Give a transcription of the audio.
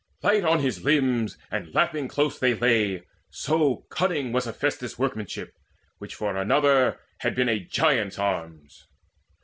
Light on his limbs and lapping close they lay So cunning was Hephaestus' workmanship Which for another had been a giant's arms.